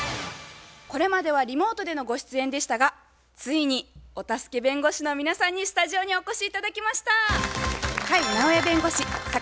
これまではリモートでのご出演でしたがついにお助け弁護士の皆さんにスタジオにお越し頂きました。